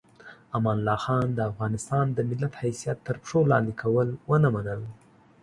امان الله خان د افغانستان د ملت حیثیت تر پښو لاندې کول ونه منل.